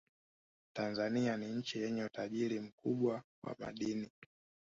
tanzania ni nchi yenye utajiri mkubwa wa madini